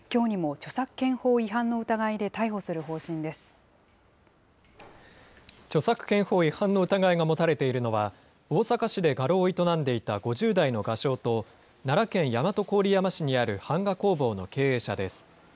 著作権法違反の疑いが持たれているのは、大阪市で画廊を営んでいた５０代の画商と、奈良県大和郡山市にある版画工房の経営者です。